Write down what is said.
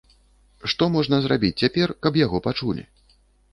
Што можна зрабіць цяпер, каб яго пачулі?